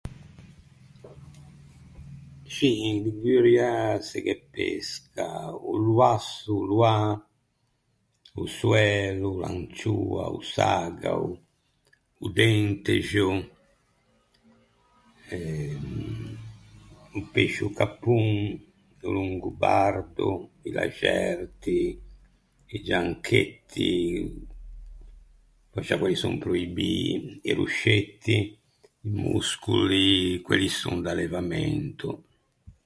Scì, in Liguria se ghe pesca o loasso, o loâ, o soælo, l'ancioa, o sagao, o dentexo, o pescio cappon, o longobardo, i laxerti, i gianchetti, fòscia quelli son proibii, i roscetti, i moscoli, quelli son d'allevamento.